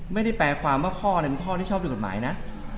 ไม่ได้แปลความว่าพ่อที่ชอบด้วยกฎหมายนะ